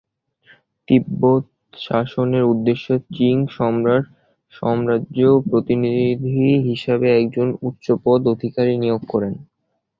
তিব্বত শাসনের উদ্দেশ্যে চিং সম্রাট সাম্রাজ্যের প্রতিনিধি হিসেবে একজন উচ্চপদস্থ আধিকারিক নিয়োগ করেন।